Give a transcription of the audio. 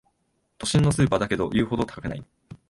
都心のスーパーだけど言うほど高くない